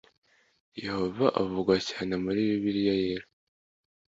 Yehova uvugwa cyane muri Bibiliyayera